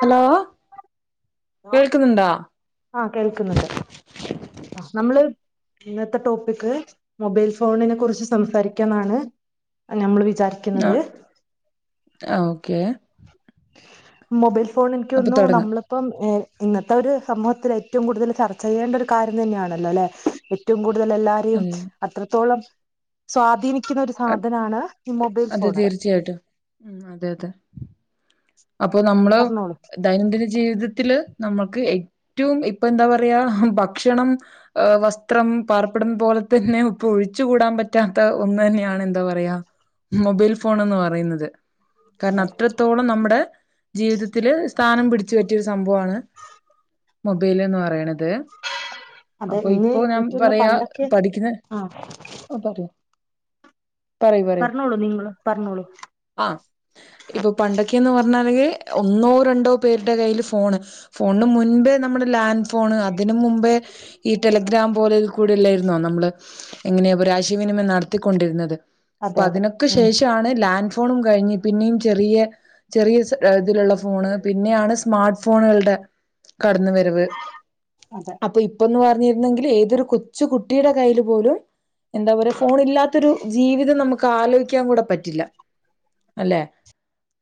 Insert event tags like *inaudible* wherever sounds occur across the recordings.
Hello കേൾക്കുന്നുണ്ടോ? ആഹ് കേൾക്കുന്നുണ്ട് നമ്മള് ഇന്നത്തെ ടോപ്പിക്ക് മൊബൈൽ ഫോണിനെ കുറിച്ച് സംസാരിക്കാന്നാണ് നമ്മള് വി ആഹ് ആഹ് ഓക്കെ മൊബൈൽ ഫോൺ എനിക്ക്‌ അപ്പൊ തോന്നുന്നു തുടങ്ങാം നമ്മളിപ്പം ഇന്നത്തെ ഒരു സമൂഹത്തില് ഏറ്റവും കൂടുതല് ചർച്ച ചെയ്യേണ്ട ഒരു കാര്യം തന്നെയാണല്ലോ അല്ലേ ഏറ്റവും കൂ ടുതല് എല്ലാരെയും അത്രത്തോളം സ്വാധീനി ക്കുന്ന ഒരു സാധനാണ് ഈ മൊബൈൽ അതെ ഫോണ് തീർച്ചയായിട്ടും ഉം അതെ അതെ അപ്പൊ നമ്മള് പറഞ്ഞോളൂ ദൈനംദിന ജീവിതത്തില് നമ്മുക്ക് ഏറ്റവും ഇപ്പൊ എന്താ പറയാ ഭക്ഷണം വസ്ത്രം പാർപ്പിടം പോലെ തന്നെ ഇപ്പം ഒഴിച്ചുകൂടാൻ പറ്റാത്ത ഒന്ന് തന്നെയാണ് എന്താ പറയാ മൊബൈൽ ഫോണെന്ന് പറയുന്നത് കാരണം അതെ അത്രത്തോളം നമ്മുടെ ജീവിതത്തില് സ്ഥാനം പിടിച്ചു പറ്റിയൊരു സംഭവമാണ് മൊബൈല് എന്ന് പറയണ ത് അതെ അപ്പൊ ഇനി ഇപ്പൊ ഞാൻ എനിക്കൊന്ന് പറയാ പണ്ടൊക്കെ പഠിക്കുന്ന ആ ആ പറയൂ പറയൂ പറയൂ പറഞ്ഞോളൂ നിങ്ങള് പറഞ്ഞോളൂ ആ ഇപ്പൊ പണ്ടൊക്കെയെന്ന് പറ ഞ്ഞ് കഴിഞ്ഞാൽ ഒന്നോ രണ്ടോ പേരുടെ കയ്യില് ഫോണ് ഫോണിന് മുൻപേ നമ്മള് ലാൻഡ് ഫോണ് അതിന് മുമ്പേ ഈ ടെലഗ്രാം പോലെ ഒരു ഇതിൽ കൂടി അല്ലാരു ന്നൊ നമ്മള് എങ്ങനെയ ഒരാശയവിനിമയം നടത്തിക്കൊണ്ടിരുന്നത് അപ്പൊ അതെ അതെ അതിനൊക്ക ഉം ശേഷമാണ് ലാൻഡ ഫോണും കഴിഞ്ഞ് പിന്നെയും ചെറിയ ചെറിയ ഇതിലുള്ള ഫോണ് പിന്നെയാണ് സ്മാർട്ട് ഫോണുകളുടെ കടന്ന വരവ് അതെ അപ്പൊ ഇപ്പൊന്ന് പറ പറഞ്ഞരുന്നെങ്കിൽ ഏതൊരു കൊച്ചു കുട്ടിയുടെ കയ്യിൽ പോലും എന്താ പറ ഫോൺ ഇല്ലാത്തൊരു ജീവിതം നമുക്ക് ആലോചിക്കാൻ കൂടെ പറ്റില്ല അല്ലെ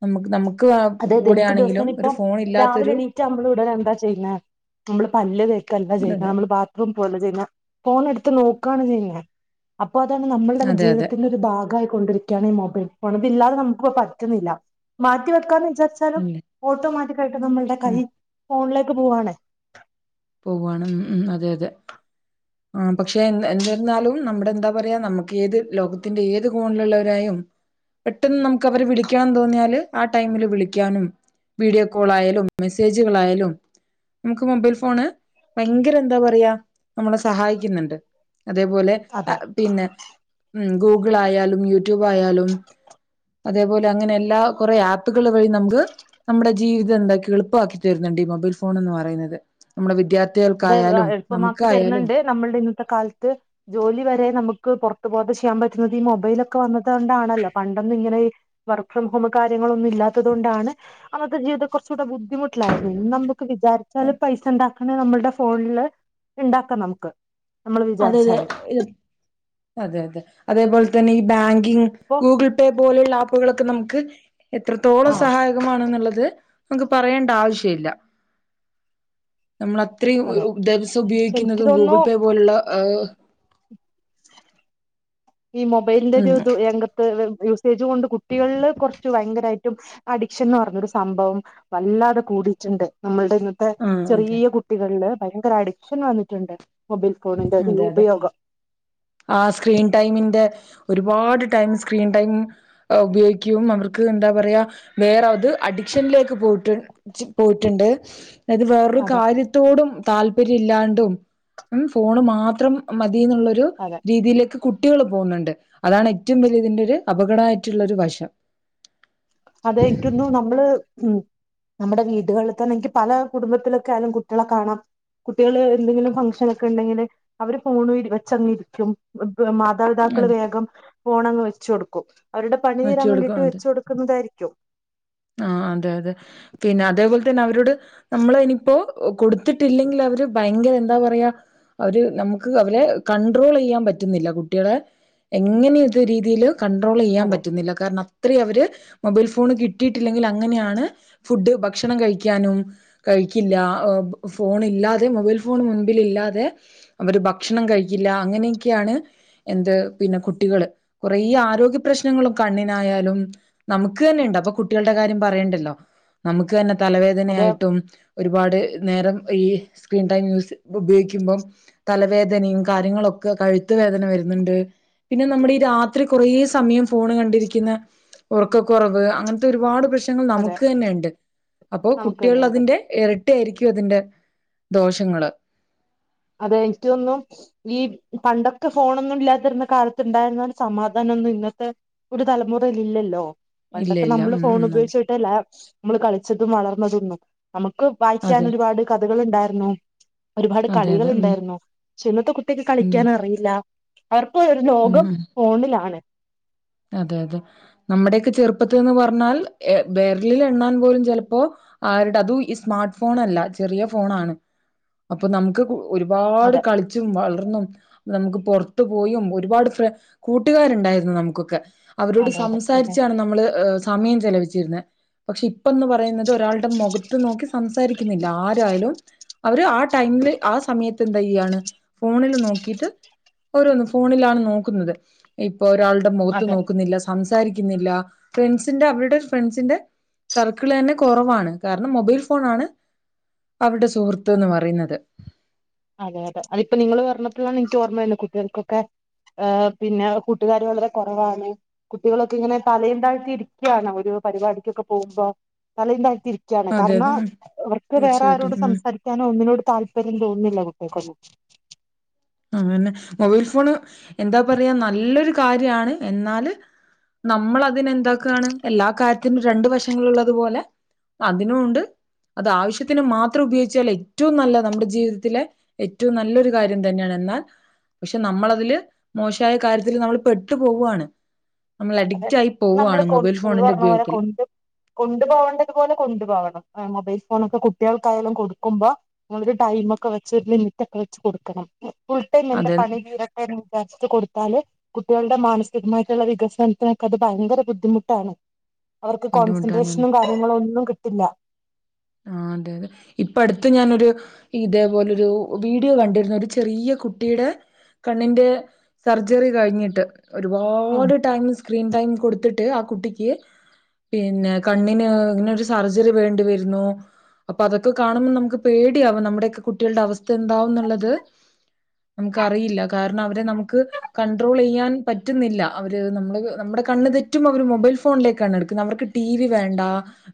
നമുക്ക് നമുക അതെത് നമുക്ക് ദിവസം ഇപ്പം രാവിലെ ഇല്ലാത്തൊരു എണീറ്റ് നമ്മൾ ഉടനെ എന്താ ചെയ്യുന്നത് നമ്മള് പല്ല് തെക്കല്ല ഇത് ചെയ്യന്നെ നമ്മള് ബാത്റൂം പോകല്ല ചെയ്യുന്ന ഫോൺ എടുത്ത് നോക്ക നോക്കാണ് ചെയ്യുണത് അ അപ്പൊ അതാണ് നമ്മളുടെല്ല അതെ അതെ ജീവിതത്തിന്റെ ഒരു ഭാഗമായിയി കൊണ്ടിരിക്കുകയാണ് ഈ മൊബൈൽ ഫോണ് ഇപ്പില്ലാതെ നമുക്കി പറ്റുന്നില്ല മാറ്റി വ യ്ക്ക ക്ക വിരിച്ചാലും ഇല്ലേ ഓട്ടോമാറ്റിക്ക ആയിട്ട് നമ്മുടെ കൈ ഉം ഫോണില ങ്ങട്ട് പോവാണ് പോവുവയാണ് ഉംഅതെ അതെ ആ പക്ഷെ എന്തിരുന്നാലും നമ്മുടെ എന്താ പറയാ നമുക്ക് ഏത് ലോകത്തിന്റെ ഏത് ഫോണിലുള്ളവരായും പെട്ടെന്ന് നമുക്ക് അവരെ വിളിക്കണം തോന്നിയാല് ആ ടൈമില് വിളിക്കാനും വീഡിയോ കോൾ ആയാലും മെസ്സേജുകളായാലും നമുക്ക് മൊബൈൽ ഫോണ് ഭയങ്കര എന്താ പറയാ നമ്മള സഹായിക്കുന്നുണ്ട് അതേപോലെ ആ അതെ പിന്നെ ഗൂഗിൾ ആയാലും യൂട്യൂബ് ആയാലും അതേപോലെ അങ്ങനെ എല്ലാ കുറേ ആപ്പുകൾ വഴി നമുക്ക് നമ്മുടെ ജീവിതം എന്താക്ക എളുപ്പമാക്കി തരുന്നുണ്ട് ഈ മൊബൈൽ ഫോൺന്ന് പറയുന്നത് നമ്മുടെ വിദ്യാർത് അത് കൾക്കായാലും എളുപ്പമാക്കി നമുക്കായാലും തരുന്നുണ്ട് നമ്മളുടെ ഇന്നത്തെ കാലത്ത് ജോലി വരെ നമുക്ക് പുറത്തു പോകാതെ ചെയ്യാൻ പറ്റുന്നുന്നത് ഈ മൊബൈലൊക്കെ വന്ന തൊണ്ടാണല്ലോ പണ്ടൊന്ന ഇങ്ങനെ വർക്ക് ഫ്രോം ഹോം കാര്യ ങ്ങളൊന്നും ഇല്ലാത്തത് കൊണ്ടാണ് അത ജിവിതകൊർച്ചുടെ ബുദ്ധിമുട്ടായിരുന്നു ഇനി നമുക്ക് വിചാരിച്ചാലല് പൈസ ഉണ്ട അങ്ങ നമ്മുൾടെ ഫോണില് ഇണ്ടാക്കാം നമുക്ക് നമ്മള് അതെ അതെ വിചാരിച്ചാല് ഇ അതെ അതെ അതേപോലെ തന്നെ ഈ ബാങ്ക് ഇൻക് ഇപ്പൊ ഗൂഗിൾ പേ പോലുള്ള ആ പ്പുകളൊക്കെ നമുക്ക് ആ എത്രത്തോളം സഹായകമാണെന്നുള്ളത് നമക്ക് പറയേണ്ട ആവശ്യ ഇല്ല നമ്മൾ അത്രയും അതെ ദിവസം പക്ഷെ എനിക്ക് ഉപയോഗിക്കുന്നതും തോന്നുന്നു ഗൂഗിൾ പേ പോലുള്ള ഈ മൊബൈലിന്റെ ഉം ഒരിതു രംഗത്ത് *unintelligible* ഉം ഇജ്കൊണ്ട് കുട്ടികളില് കുറച്ച് ഭയങ്കരായിട്ട് അഡിക്ഷൻ എന്ന് പറഞ്ഞൊരു സംഭവം വല്ലാതെ കൂടിയിട്ടുണ്ട് നമ്മൾ ഇന്നത്തെ ആ അതെ ചെറിയ കുട്ടികളില് ഭയങ്കര അഡിക്ഷൻ വന്നിട്ടുണ്ട് മൊബൈൽ ഫോണിന്റെ ഒരു അതെ അതെ ഉപയോഗം ആ സ്ക്രീൻ ടൈമിന്റെ ഒരുപാട് ടൈം സ്ക്രീൻ ടൈം ഉപയോഗിക്കും അവർക്ക് എന്താ പറയാ വേറത് അഡിക്ഷനിലേക്ക് പോയിട്ട് പോയിട്ടുണ്ട് തായത് വേറൊരു അതെ കാര്യത്തോടും താല്പര്യല്ലാണ്ടും ഉം ഫോണ് മാത്രം മതി *unintelligible* അതെ രീതിയിലേക്ക് കുട്ടികൾ പോകുന്നുണ്ട് അതാണ് ഏറ്റവും വലിയ ഇതിന്റെ ഒരു അപകടായിട്ടുള്ള ഒരു വശം അതെ എനിക്കോന്നുന്നു നമ്മള് ഉം നമ്മുടെ വീടുകളിൽ തന്നെൻക്ക് പല കുടുംബത്തിലൊക്കെയാലും കുട്ടികളെ കാണാം കുട്ടികള് എന്തെങ്കിലും ഫംഗഷനൊക്കെ ഉണ്ടെങ്കില് അവര് ഫോൺ വെച്ചങ്ങിരിക്കും മാതാപിതാക്കള് അതെ വേഗം ഫോണങ്ങ് വെച്ചു കൊടുക് കും അവരുടെ പണി തീരാൻ വേണ്ടിട്ട് വെച്ച് കൊടുക്കുന്നതായിരിക്കും ആ അതെ അതെ പിന്നെ അതേപോലെ തന്നെ അവരോ നമ്മളിനി പ്പൊ ഓ ഒ കൊടു ത്തിട്ടില്ലെങ്കിൽ അവര് ഭയങ്കര എന്താ പറയാ അവര് നമുക്ക് അവരെ കണ്ട്രോൾ ചെയ്യാൻ പറ്റുന്നില്ല കുട്ടികളെ എങ്ങനെയത്ത രീതിയില് കൺട്രോൾ ചെയ്യാൻ അതെ പറ്റ് കാരണം അത്രേം അവര് മൊബൈൽ ഫോണ് കിട്ടിയിട്ടില്ലെങ്കിൽ അങ്ങനെയാണ് ഫുഡ് ഭക്ഷണം കഴിക്കാനും കഴിക്കില്ല ഫോൺ ഇല്ലാതെ മൊബൈൽ ഫോൺ മുൻപിലില്ലാതെ അവര് ഭക്ഷണം കഴിക്കില്ല അങ്ങനെയൊക്കെയാണ് എന്ത് പിന്നെ കുട്ടികള് കുറേ ആരോഗ്യപ്രശ്ന പ്രശ്നങ്ങളും കണ്ണിനായാലും നമുക് തന്നെ ഇണ്ട് അപ്പൊ കുട്ടികളുടെ കാര്യം പറയേണ്ടല്ലോ നമുക്ക് തന്നെ അതെ തലവേദനയായിട്ടും ഒരുപാട് നേരം ഈ സ്ക്രീൻ ടൈം യൂസ് ഉപയോഗിക്കുമ്പം തലവേദനയും കാര്യങ്ങളൊക്കെ കഴുത്ത് വേദന വരുന്നുണ്ട് പിന്നെ നമ്മുടെ ഈ രാത്രി കുറേ സമയം ഫോൺ കണ്ടിരിക്കുന്ന ഉറക്കക്കുറവ് അങ്ങനത്തെ ഒരുപാട് പ്രശ് പ്രശ്നങ്ങൾ അതെ നമുക്ക് തന്നെ ഉണ്ട് അപ്പൊ നമുക്ക് കുട്ട്യേൾ തന്നെയുണ്ട് അതിന്റെ ഇരട്ടി ആയിരിക്കും അതിന്റെ ദോഷങ്ങള്. അതെ ഇൻക്കൊന്നും ഈ പണ്ടൊക്കെ ഫോണൊന്നും ഇല്ലാതിരുന്ന കാലത്ത്ണ്ടായിരുന്ന സമാധാനൊന്നും ഇന്നത്തെ ഒരു തലമുറേൽ ഇല്ലല്ലോ ഇല്ല പണ്ടൊക്കെ ഇല്ല നമ്മള് ഉം ഫോൺ ഉം അതെ ഉപയോഗിച്ചിട്ടല്ല നമ്മള് കളിച്ചതും വളർന്നതൊന്നും. അമുക്ക് വായിക്കാൻ അതെ ഒരുപാട് കഥകള്ണ്ടാർന്നു അതെ അതെ. ഉം കളികള്ണ്ടായിരുന്നു ക്ഷെ ഇന്നത്തെ കുട്ട്യേക്ക് ഉം കളിക്കാൻ അറിയില്ല വർ *unintelligible* ഒരു ഉം ലോകം ഉം ഫോണിലാണ് അതെ അതെ നമ്മുടെയൊക്കെ ചെറുപ്പത്തിന്ന് പറ്ഞ്ഞാൽ വെര്ലിൽ എണ്ണാൻ പോലും ചെലപ്പോ ആരുടെ അതും ഈ സ്മാർട്ട് ഫോൺ അല്ല ഈ ചെറിയ ഫോണാണ് അപ്പൊ നമുക്ക് കു ഒരുപാട് അതെ കളിച്ചും വളർന്നും നമുക്ക് പുറത്തു പോയും ഒരുപാട് ഫ്ര കൂട്ടുകാരുണ്ടായിരുന്നു നമുക്ക് ഒ ക്കെ അവരോട് അതെ അതെ സംസാരിച്ചാണ് നമ്മള് എ സമയം ചെലവി റ്റിയിരുന്നെ പക്ഷെ ഇപ്പന്ന് പറയുന്നത് ഒരാളുടെ മൊഖത്ത് നോക്കി സംസാരിക്കുന്നില്ല ആരായാലും അവര് ആ ടൈമില് ആ സമയത്ത് എന്ത യ്യാണ് ഫോണിൽ നോക്കിട്ട് ഓരോന്ന് ഫോണിലാണ് നോക്കുന്നത് ഇപ്പൊ ഒരാളുടെ മൊ *unintelligible* അതെ നോക്കുന്നില്ല സംസ് സംസാരിക്കുന്നില്ല ഫ്രണ്ട്സിന്റെ അവരുടെ ഫ്രണ്ട്സിന്റെ സർക്കിള് തന്നെ കുറവാണ് കാരണം മൊബൈൽ ഫോൺ ആണ് അവരുടെ സുഹൃത്ത്ന്ന് പറയുന്നത്. അതെ അതെ അതിപ്പോ നിങ്ങൾ പറഞ്ഞപ്പഴാണ് എനിക്ക് ഓർമ്മവരണേ കുട്ടികൾക്കൊക്കെ ഏ പിന്നെ കൂട്ടുകാര് വളരെ കുറവാണ് കുട്ടികളൊക്കെ ഇങ്ങനെ തലയും താഴ്ത്തി ഇരിക്കാണ് ഒരു പരിപാടിക്കൊക്കെ പോകുമ്പോ തലയയും താ തിരിക്കയാണ് അതെ കാരണം അതെ അവർക്ക് വേറെ തീർച്ചയായിട്ടും ആരോട് ഉം സംസാരിക്കാനോ ഒന്നിനോട് താല്പര്യം തോന്നുന്നില്ല കു ക്ക *unintelligible* ആന്നെ. മൊബൈൽ ഫോണ് എന്താ പറയ നല്ലൊരു കാര്യാണ് എന്നാല് നമ്മൾ അതിനെ എന്താക്കാണ് എല്ലാ കാര്യത്തിനും രണ്ട് വശങ്ങളുള്ളതു പോലെ അതിനുമുണ്ട് അത് ആവിശ്യത്തിന് മാത്രം ഉപയോഗിച്ചാൽ ഏറ്റവും നല്ല നമ്മുടെ ജീവിതത്തിലെ ഏറ്റവും നല്ലൊരു കാര്യം തന്നെയാണ്. എന്നാൽ പക്ഷെ നമ്മളതില് മോശായ കാര്യത്തില് നമ്മള് പെട്ടു പോവാണ്. നമ്മൾ അതെ അഡിക്റ്റായി നമ്മള് പോവാണ് കൊ മൊബൈൽ കൊണ്ട് ഫോണിന്റെ നടക്കണ പോലെ ഉപയോഗത്തില്. കൊണ്ട് കൊണ്ടു പോകേണ്ടതു പോലെ കൊണ്ട് പോകണം എമൊബൈൽ ഫോണൊക്കെ കുട്ട്യാൾക്കായാലും കൊടുക്കുമ്പോ നിങ്ങൊരു ടൈമ് ഒക്കെ വെച്ച് ഒരു ലിമിറ്റ് ഒക്കെ വെച്ച് കൊടുക്കണം. ഫുൾട്ടൈം എന്റെ അത് പണി തീരട്ടെന്ന് വിചാരിച്ചിട്ട് കൊടുത്താല് കുട്ടികളുടെ മാനസികമായിട്ടുള്ള വികസനം ക്ക *unintelligible* അത് ഭയങ്കര ബുദ്ധിമുട്ടാണ്. അവർക്ക് ബുദ്ധിമുട്ടാണ്. കോൺസെൻട്രേഷനും കാര്യങ്ങളൊന്നും കിട്ടില്ല. ആ അതെ അതെ ഇപ്പ അടുത്ത് ഞാനൊരു ഇതേപോലെരു വീഡിയോ കണ്ടിരുന്നു ഒരു ചെറിയ കുട്ടിയുടെ കണ്ണിന്റെ സർജറി കഴിഞ്ഞിട്ട്. ഉം ഒരുപാട് ടൈം സ്ക്രീൻ ടൈം കൊടുത്തിട്ട് ആ കുട്ടിക്ക് *unintelligible* പിന്നെ കണ്ണിന് ഇങ്ങനെരു സർജറി വേണ്ടി വരുന്നു. അപ്പൊ അതൊക്കെ കാണുമ്പോ നമുക്ക് പേടിയാവും നമ്മുടെയൊക്കെ കുട്ടികളുടെ അവസ്ഥ എന്താവന്നുള്ളത് നമുക്ക് അറിയില്ല കാരണം അവരെ നമുക്ക് കണ്ട്രോൾ ചെയ്യാൻ പറ്റുന്നില്ല അവര് നമ്മള് നമ്മുടെ കണ്ണ് തെറ്റും അവര് മൊബൈൽ ഫോണിലേക്കാണ് എടുക്കുന്നത് അവർക്ക് ടി വി വേണ്ട.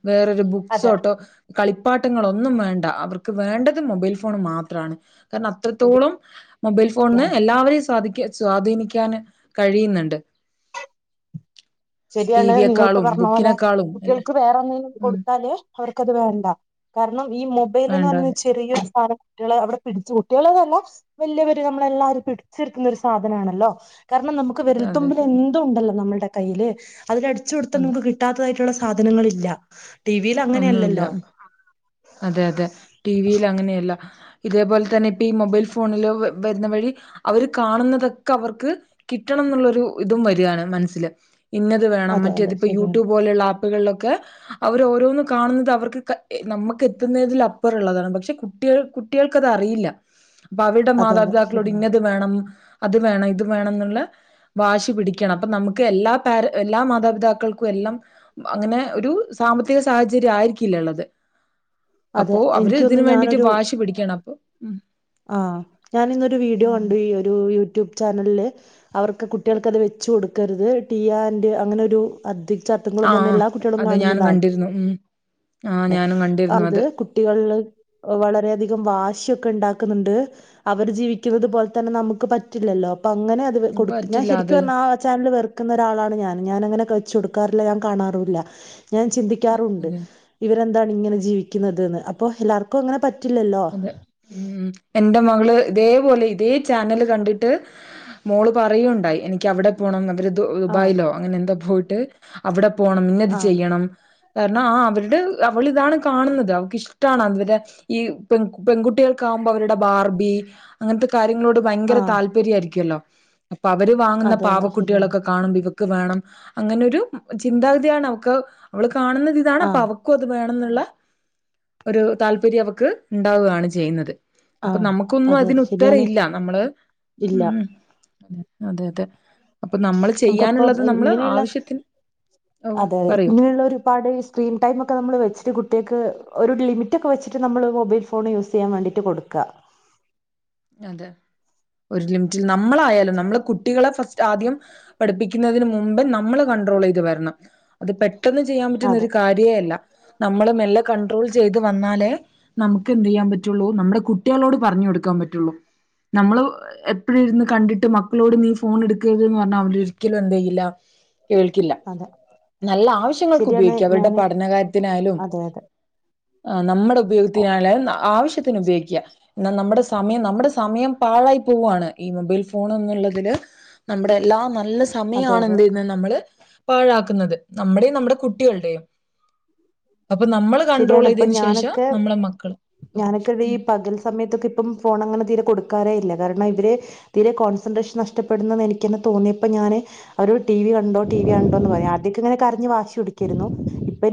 വേറൊരു ബുക്സ് അതെ ഓട്ടോ കളിപ്പാട്ടങ്ങള് ഒന്നും വേണ്ട അവർക്ക് വേണ്ടത് മൊബൈൽ ഫോൺ മാത്രവാണ് കാരണം ശരി അത്രത്തോളം മൊബൈൽ ഫോണിന്ന് എല്ലാവരെയും സ്വാധിക്ക സ്വാധീനിക്ക കഴിക്കാന് കഴിയുന്നുണ്ട് ശരിയാണ് നിങ്ങിളിപ്പ ടിവിയെക്കാളും പറഞ്ഞ പോലെ ബുക്കിനെക്കാളും എല്ലാം കുട്ടികൾക്ക് വേറെ എന്തെങ്കിലും ഉം കൊടുത്താല് അവർക്കത് വേ ണ്ട കാരണം ഈ മൊബൈലെന്ന് പറഞ്ഞ വേണ്ടാന്ന് ചെറിയൊരു സാനം കുട്ടികളെ അവിടെ പിടിച്ചു കുട്ടികളേന്നല്ല വല്ല്യവര് നമ്മളെല്ലാരും പിടിച്ചെടുക്കുന്ന ഒരു സാധനാണല്ലോ കാരണം നമുക്ക് അതെ അതെ വെരൽത്തുമ്പിൽ അതെ. എന്തും ഉണ്ടല്ലോ നമ്മൾടെ കൈയ്യില് *inaudible* അതിലടിച്ചു കൊടുത്ത അതെ നമുക്ക് കിട്ടാത്തതായിട്ടുള്ള സാ സാധനങ്ങളില്ല ടിവിൽ അങ്ങനെ ഒന്നുമില്ല. അല്ലല്ലോ അതെ അതെ ടി വിയിൽ അങ്ങനെ എൽ ല്ല ഇതേപോലെ തന്നെ ഇപ്പ ഈ മൊബൈൽ ഫോണില് വരുന്ന വഴി അവര് കാണുന്നതൊക്കെ അവർക്ക് കിട്ടണംന്നൊള്ളൊരു ഇതും വരുവാണ് മനസ്സില് ഇന്നത് വേണം അതെ അതെ മറ്റേതിപ്പോ ശരിയാണ് യൂട്യൂബ് പോലുള്ള ആപ്പുകളിലൊക്കെ അവരോരോന്ന് കാണുന്നത് അവർക്ക്ക്കെ ഏ നമ്മ ക്കെ എത്തുന്നതിൽ അപ്പറ ഉള്ളതാണ് പക്ഷെ കുട്ടികൾ കുട്ടികൾക്കതറിയില്ല അപ്പൊ അവരുടെ അതെ അതെ മാതാപിതാക്കളോട് ശരിയാണ് ഇന്നത് വേണം അത് വേണം ഇത് വേണംന്നുള്ള വാശി പിടിക്കണം അപ്പം നമുക്ക് എല്ലാ പാര എല്ലാ മാതാപിതാക്കൾക്കും എല്ലാം അങ്ങനെ ഒരു സാമ്പത്തിക സാഹചര്യം ആയിരിക്കില്ലള്ളത് അതെ അപ്പോ അവര് എനിക്ക്ഓന്നു ഇതിന് വേണ്ടിട്ട് ഞാനൊരു വാശി പിടിക്കാണ് അപ്പൊ ഉം ആ ഞാനിന്നൊരു വീഡിയോ ഉം കണ്ടു ഈ ഒരു യൂട്യൂബ് ചാനലിലെ അവർക്ക് കുട്ടികൾക്ക് അത് വെച്ച് കൊടുക്കരുത് ടീ ആൻഡ് അങ്ങനെ ഒരു അധ്വി ചാർത്തുങ്ങള് ഒന്ന് പറഞ്ഞാ ആഹ് എല്ലാ കുട്ടികളും അത് ഞാനും കാണുന്നന്നാണ് കണ്ടിരുന്നു ഉം ആഹ് ടെ ഞാനും കണ്ടിരുന്നു അത് കുട്ടികള് ഒ വളരെയധികം വാശിയൊക്കെ ഇണ്ടാക്കുന്നുണ്ട് അവര് ജീവിക്കുന്നുന്നത് പോലെ തന്നെ നമുക്ക് പ റ്റില്ലല്ലോ അങ്ങനെ അത് വെ കൊടുക്കും ഞാൻ പറ്റില്ല ശരിക്കും അത് പറഞ്ഞാ ആ ചാനൽ വെറു ക്കുന്ന ഒരാളാണ് ഞാൻ ഞാനങ്ങനെ കച്ച് കൊടുക്കാറില്ല ഞാൻ കാണാറു ഇല്ല ഞാൻ ചിന്തിക്കാറുണ്ട് അത് എന്താണ് ഇങ്ങനെ ജീവിക്കുന്നത് ന്ന് അപ്പോ എല്ലാവർക്കും അങ്ങനെ പറ്റ് അതെ ഉം എന്റെ മകള് ഇതേപോലെ ഇതേ ചാനല് കണ്ടിട്ട് മോള് പറയുണ്ടായി എനിക്ക് അവിടെ പോണം അവരിത് ദുവ് ആഹ് ദുബായിലോ അങ്ങനെ എന്താ പോയി ് അവിടെ പോണം ഇന്നത് ആഹ് ചെയ്യണം കാരണം ആ അവരുടെ അവളിതാണ് കാണുന്നത് അവൾക്ക്ിഷ്ടമാണ് അവരെ ഈ പെങ്കു പെൺകുട്ടികൾക്ക്‌ ആവുമ്പോ അവരുടെ ബാർബി അങ്ങനത്തെ കാര്യങ്ങളോട് ഭയങ്കര ആഹ് താല്പര്യം ആ യിരിക്കല്ലോ അപ്പൊ അവര് വാങ്ങുന്ന അതെ അതെ ശരിയാണ് പാവക്കുട്ടികളൊക്കെ കാണുമ്പോ ഇവ ക്ക്‌ വേണം അങ്ങനെ ഒരു മ് ചിന്താഗതിയാണ് അവക്ക്‌ അവ കാണുന്നത് ഇതാണ് അപ്പൊ ആഹ് അവക്കും അത് വേണം നന്നുള്ള ഒരു താല്പര്യം അവക്ക് ഉണ്ടാവുകയാണ് ചെയ്യുന്നത് അപ്പൊ ആഹ് നമുക്കൊന്നും അതെ അതെ അതിനു ശരിയാണ് ത്തരയില്ല നമ്മള് ഇല്ല ഉം അതെ അതെ അപ്പൊ നമ്മൾ നമുക്കപ്പ ചെയ്യാനുള്ളത് നമ്മള് ഇങ്ങനെയുള്ള ആവശ്യത്തിന് ഓ അതെതെ പറയൂ ഇങ്ങനെയുള്ള ഒരുപാട് സ്ക്രീൻ ടൈമ ഒക്കെ നമ്മള് വെച്ചിട്ട് കുട്ടികൾക്ക് ഒരു ലിമിറ്റ് ഒക്കെ വെച്ചിട്ട് നമ്മള് മൊബൈൽ ഫോൺ യൂസ് ചെയ്യാൻ വേണ്ടിട്ട് കൊടുക്കുവാ അതെ ഒരു ലിമിറ്റിൽ നമ്മളായാലും നമ്മള് കുട്ടികളെ ഫസ്റ്റ് ആദ്യം പഠിപ്പിക്കുന്നതിന് മുമ്പ് നമ്മള് കൺണ്ട്രോൾ ചെയ്ത് വരണം അത് പെട്ടെന്ന് ചെയ്യാൻ പറ്റുന്നൊ അതെ ഒരു കാര്യേ അല്ല നമ്മള് മെല്ലെ കണ്ട്രോൾ ചെയ്ത് വന്നാലേ നമുക്ക് എന്ത് ചെയ്യാൻ പറ്റുള്ളൂ നമ്മുടെ കുട്ടികളോട് പറഞ്ഞു കൊടുക്കാൻ പ റ്റുള്ളു നമ്മള് എപ്പെഴ് ഇരുന്ന് കണ്ടിട്ട് മക്കളോട് നീ ഫോൺ എടുക്കരുതെന്ന് പറഞ്ഞാല് അവർ ഒരിക്കലും എന്ത്‌ ചെയയില്ല കേൾക്കില്ല അതെ നല്ല ആവശ്യങ്ങൾക്ക് ശരിയാണ് ഉപയോഗിക്കാം അവരുടെ ഞാന് പഠനകാര്യത്തിനയാലും അതെ അതെ ആ നമ്മുടെ ഓ ഉപയോഗിക്കതിന ആവശ്യ ത്തി ഉപയോഗിക്കുക നമ്മുടെ സമയം നമ്മുടെ സമയം പാഴായി പോവയാണ് ഈ മൊബൈൽ ഫോൺ എന്നുള്ളതില് നമ്മുടെ എല്ല നല്ല അതെ സമയണ അതെ എന്ത്ന്ന് നമ്മള് പാഴാക്കുന്നത് നമ്മുടെയും നമ്മുടെ കുട്ടികളുടെയും അപ്പൊ നമ്മൾ കണ്ട്രോൾ ചെയ്തതിന് ശേഷം നമ്മളെ മക്കള് ഞാനൊക്കെവിടെ ഈ പകൽ സമയത്തൊക്കെ ഇപ്പം ഫോൺ അങ്ങനെ തീരെ കൊടുക്കാറേ ഇല്ല കാരണം ഇവർ തീരെ കോൺസെൻട്രേഷൻ നഷ്ടപ്പെടുന്നതെന്ന് എനിക്ക് തന്നെ തോന്നിയപ്പോൾ ഞാൻ അവ ഒരു ടി വിണ്ടോ ടി വി ഉണ്ടോ എന്ന് പറയാം ആദ്യൊക്കെ ഇങ്ങനെ കരഞ്ഞു വാശി കൊടക്കായിരുന്നു ഇപ്പ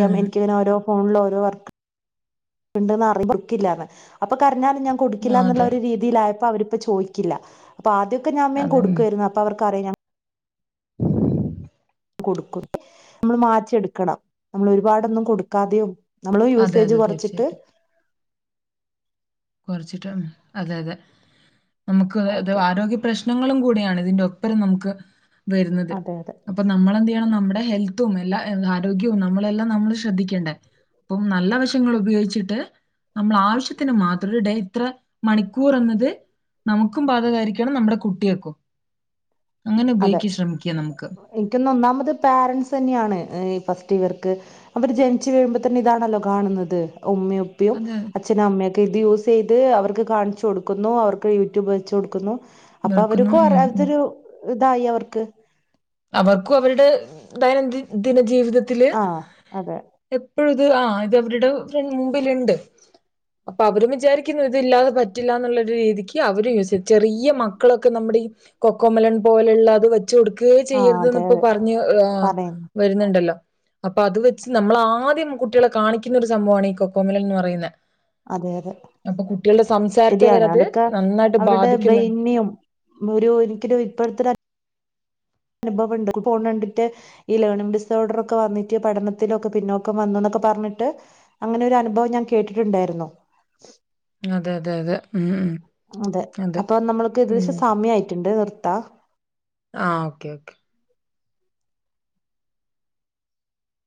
അതെ എനിക്കിങ്ങനെഓരോ ഫോണില ഓരോ വർക്ക് ഉക്കില്ലാ അൊ പറഞ്ഞാലും ഞാൻ കൊടുക്കില്ല എന്നുള്ള അതെ ഒരു രീതിയില അപ്പൊ അവരിപ്പ ചോദിക്കില്ല അപ്പ ആദ്യൊക്കെ ാൻമം കൊടുക്കായിരുന്നു അപ്പൊ അവർക്കറിയ ഉമ് കൊടുക്കും നമ്മൾ മാറ്റിയെടുക്കണം നമ്മൾ ഒരുപാടൊന്നും കൊടുക്കാതെയോ നമ്മള് അതെ യൂസേജ് അതെ കുറച്ചിട്ട് തീർച്ചയായിട്ടും ചിറ്റാ അതെ അതെ നമുക്ക്ത് ഓക്കെ ആരോഗ്യ പ്രശ്നങ്ങളും കൂടെ യാണ് ഇതിന്റെറെ ഒപ്പരം നമുക്ക് വരുന്നത് അതെ അതെ അപ്പൊ നമ്മളെന്ത് ചെയ്യണം നമ്മുടെ ന ഹെൽത്തും എല്ല ആരോഗ്യവും നമ്മുടെ ഹെൽത്തും നമ്മളെല്ലാം നമ്മൾ ശ്രദ്ധിക്കേണ്ടേ അപ്പം നല്ല വശങ്ങ ഉപയോഗിച്ചിട്ട് നമ്മൾ ആവശ്യത്തിന് മാത്ര അത് ഡേഇത്ര മണിക്കൂർ എന്നത് നമുക്കും ബാതകാരിക്കണം നമ്മുടെ കുട്ടിയേ ക്കും അതെ എനിക്കൊന്ന് ഒന്നാമത് പാരന്റ്സ് തന്നെയാണ് ഫസ്റ്റ് ഇവർക്ക് അവര് ജനിച്ചു കഴിയു മ്പോ തന്നെ ഇതാണല്ലോ കാണുന്നത് ഉമ്മയും ഉ പ്പിയും അതെ അച്ഛന്റെ അമ്മയൊക്കെ ഇത് യൂസ് ഇത് അവർക്ക് കാണിച്ച് കൊടുക്കുന്നു അവർക്ക് യൂട്യൂബ് വെച്ച് കൊടുക്കുന്നു അപ്പൊ വെറുക്കുന്നു അവർക്ക് ഉം, ഉം. അവതൊരു ഇതായി അവർക്ക് അവർക്കും അവരുടെ ദൈനം ദിനജീവിത ജി വിത തിൽ ആഹ് അതെ എപ്പോഴും ആ ഇത് അവരുടെ ഫ മുമ്പിലുണ്ട് അപ്പൊ അവരും വിചാരിക്കുന്നു ഇത് ഇല്ലാതെ പറ്റില്ല എന്നുള്ളരു രീതിക്ക് വെച്ച് കൊടുക്കുണ് അപ്പോ അവരും വിചാരിക്കുണ് ഇതില്ലാതെ പറ്റില്ല എന്ന് അവര ചെറിയ മക്കളൊക്കെ നമ്മുടെ ഈ കൊക്കോമലൻ പോലെയുള്ള അത് വെച്ച കൊടു ആഹ് ചെയ്യരുതന്ന് അതെ അതെ ഇപ്പോപറഞ്ഞു പറയുന്നു വരുന്നുണ്ടല്ലോ അപ്പൊ അത് വെച്ച് നമ്മള ആദ്യം അപ്പോ അത് വെച്ച് നമ്മള ആദ്യം കുട്ടികളെ കാണിക്കുന്ന ഒരു സംഭവമാണ് ഈ കൊക്കോമലൻ എന്ന് പറയുന്നത് അതെ അതെ സംസാരത്തെ വരെ ശരിയാണ് അത് അതൊക്കെ നന്നായിട്ട് അവരുടെ ബാധിക്കുന്നുണ്ട് ബ്രെയിനെയും ഒരു എനിക്കൊരു ഇപ്പോഴത്തെ ഒരു അ അനുഭവം ഉണ്ട് ഫോൺ കണ്ടിട്ട് ഒരു ലേണിംഗ് റിസോർട്ടുറൊക്കെ വന്നിട്ട് പഠനത്തിലൊക്കെ പിന്നോക്കം വന്നു എന്നൊക്കെ പറഞ്ഞിട്ട് അങ്ങനെൊ ഒരു അനുഭവം ഞാൻ കേട്ടിട്ടുണ്ടായിരുന്നു അതെ അത അതെ ഉം ഉം അതെ അപ്പൊ നമ്മൾക്ക് ഏദേശം സമയായിട്ടുണ്ട് നി ത്ത ആഹ ഓക്കേ ഓക്കെ